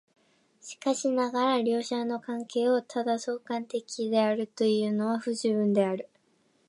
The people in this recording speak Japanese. しかしながら両者の関係をただ相関的であるというのは不十分である。